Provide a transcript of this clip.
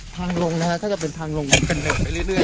ปังลงนะครับเป็นครั้งลงไปเรื่อย